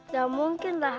gak mungkin lah